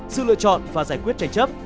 sự lựa chọn và giải quyết tranh chấp